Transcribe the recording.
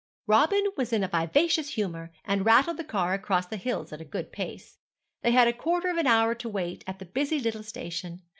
Robin was in a vivacious humour, and rattled the car across the hills at a good pace. They had a quarter of an hour to wait at the busy little station.